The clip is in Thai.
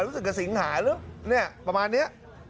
รู้สึกกับสิงหาหรือเนี่ยประมาณนี้